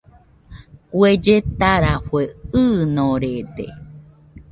Kue lletarafue ɨɨnorede